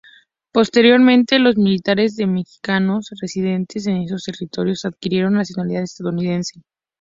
Posteriormente, los millares de mexicanos residentes en esos territorios adquirieron nacionalidad estadounidense.